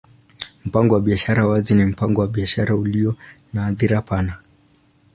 Mpango wa biashara wazi ni mpango wa biashara ulio na hadhira pana.